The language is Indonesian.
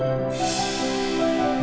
disuruh tidur mulu ya